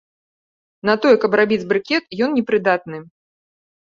На тое, каб рабіць брыкет, ён не прыдатны.